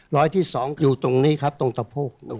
ที่๒อยู่ตรงนี้ครับตรงตะโพก